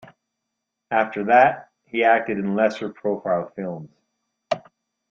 After that, he acted in lesser profile films.